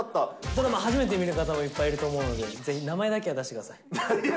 ドラマ初めて見る方もいっぱいいると思うので、ぜひ名前だけは出してください。